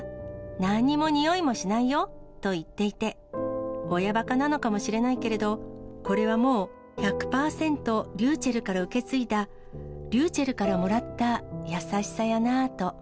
なんにも、においもしないよと言っていて、親ばかなのかもしれないけれど、これはもう１００％、りゅうちぇるから受け継いだ、りゅうちぇるからもらった優しさやなあと。